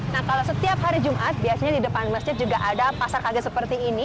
nah kalau setiap hari jumat biasanya di depan masjid juga ada pasar kaget seperti ini